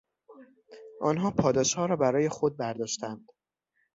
آنها پاداشها را برای خود برداشتند.